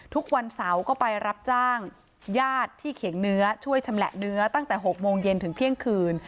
ทุกวันเสาร์ก็ไปรับจ้างญาติที่เขียงเนื้อช่วยชำแหละเนื้อตั้งแต่๖โมงเย็นถึงเที่ยงคืน